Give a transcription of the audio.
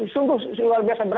sungguh luar biasa